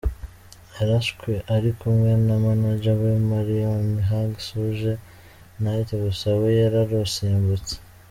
Yarashwe ari kumwe na manager we Marion Hugh ’Suge’ Knight gusa we yararusimbutse.